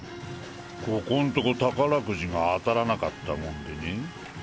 ここんとこ宝くじが当たらなかったもんでね。